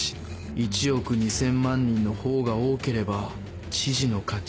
「１億２０００万人」の方が多ければ知事の勝ち。